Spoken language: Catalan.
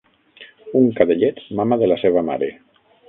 Un cadellet mama de la seva mare.